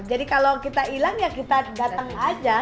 jadi kalau kita hilang ya kita datang aja